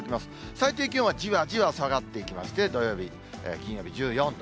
最低気温はじわじわ下がっていきまして、土曜日、金曜日、１４度。